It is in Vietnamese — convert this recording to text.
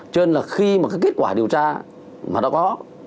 cho nên là khi mà cái kết quả điều tra mà đã có